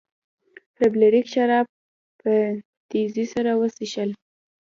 فلیریک شراب په تیزۍ سره وڅښل.